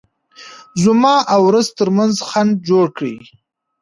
زما او رزق ترمنځ خنډ جوړ کړي.